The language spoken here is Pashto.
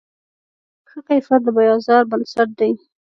ښه کیفیت د بازار بنسټ دی.